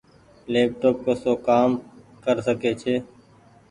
ليپ ٽوپ ڪسو ڪآ ڪري ڇي ۔